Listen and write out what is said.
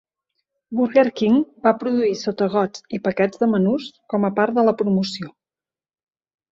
Burger King va produir sotagots i paquets de menús com a part de la promoció.